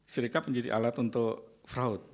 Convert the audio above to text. sirikap menjadi alat untuk fraud